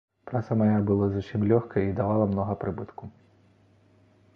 Праца мая была зусім лёгкая і давала многа прыбытку.